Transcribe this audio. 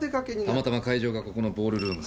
たまたま会場がここのボールルーム。